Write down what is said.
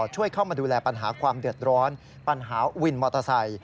ช่วยเข้ามาดูแลปัญหาความเดือดร้อนปัญหาวินมอเตอร์ไซค